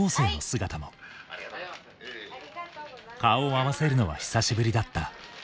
顔を合わせるのは久しぶりだった。